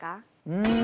うん。